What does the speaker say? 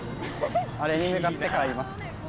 あれに向かって帰ります。